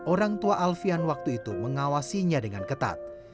orang tua alfian waktu itu mengawasinya dengan ketat